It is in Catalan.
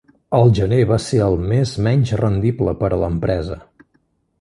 El gener va ser el mes menys rendible per a l'empresa.